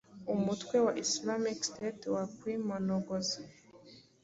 umutwe wa Islamic State wakwimonogoza.